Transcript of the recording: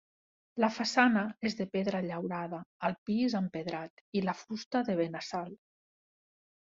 La façana és de pedra llaurada, el pis empedrat, i la fusta de Benassal.